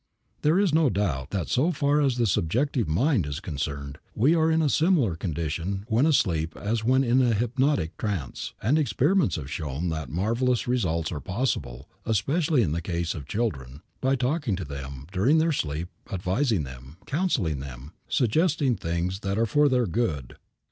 There is no doubt that so far as the subjective mind is concerned we are in a similar condition when asleep as when in a hypnotic trance, and experiments have shown that marvelous results are possible, especially in the case of children, by talking to them, during their sleep, advising them, counseling them, suggesting things that are for their good.